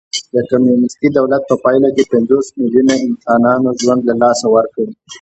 د کمونېستي دولت په پایله کې پنځوس میلیونو انسانانو ژوند له لاسه ورکړ